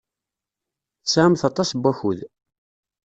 Tesɛamt aṭas n wakud.